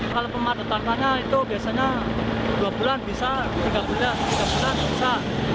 kalau pematah tanah itu biasanya dua bulan bisa tiga bulan bisa